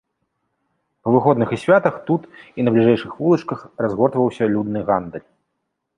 Па выходных і святах тут і на бліжэйшых вулачках разгортваўся людны гандаль.